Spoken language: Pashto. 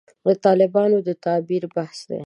د طالبانو د تعبیر بحث دی.